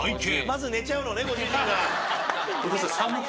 まず寝ちゃうのねご主人が。